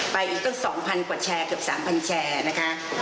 ไปตั้ง๒๐๐กว่าแชร์เกือบ๓๐๐แชร์นะคะ